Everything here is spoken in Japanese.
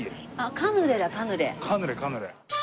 カヌレカヌレ。